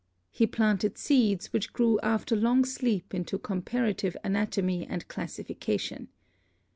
He planted seeds which grew after long sleep into comparative anatomy and classification.